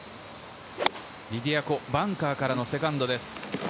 リディア・コ、バンカーからのセカンドです。